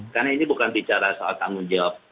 karena ini bukan bicara soal tanggung jawab